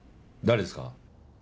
誰ですか？